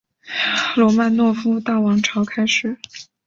罗曼诺夫王朝开始。